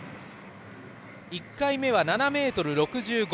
１回目は７ｍ６５。